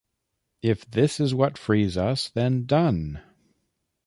If this is what frees us, then done!